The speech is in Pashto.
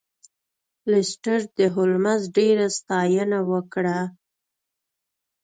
لیسټرډ د هولمز ډیره ستاینه وکړه.